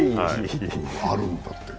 あるんだった。